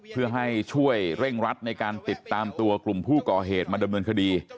เพื่อให้ช่วยเร่งรัดในการติดตามตัวกลุ่มผู้ก่อเหตุมาดำเนินคดี